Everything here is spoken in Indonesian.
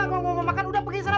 kalau mau makan udah pergi sana